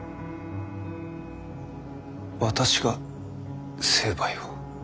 私が成敗を？